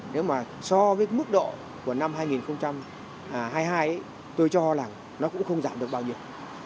nếu mà so với mức độ của năm hai nghìn hai mươi hai tôi cho là nó cũng không giảm được bao nhiêu